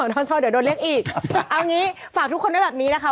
ไปให้ข่าวกับพี่อุยนะ